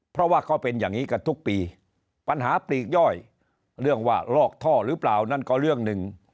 เพราะว่าเขาเป็นอย่างนี้กันทุกปีปัญหาปลีกย่อยเรื่องว่าลอกท่อหรือเปล่านั่นก็เรื่องหนึ่ง